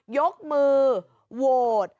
ยกมือโหวต